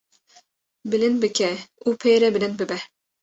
bilind bike û pê re bilind bibe.